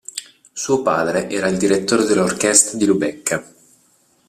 Suo padre era il direttore dell'orchestra di Lubecca.